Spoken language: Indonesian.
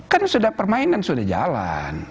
kan sudah permainan sudah jalan